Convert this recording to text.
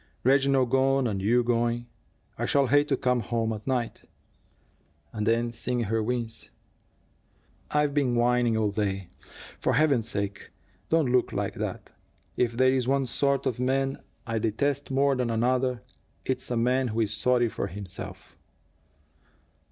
"Reginald gone, and you going! I shall hate to come home at night." And then, seeing her wince: "I've been whining all day. For Heaven's sake, don't look like that. If there's one sort of man I detest more than another, it's a man who is sorry for himself.